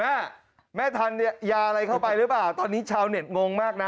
แม่แม่ทันเนี่ยยาอะไรเข้าไปหรือเปล่าตอนนี้ชาวเน็ตงงมากนะ